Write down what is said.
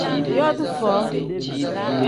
Yooti foo.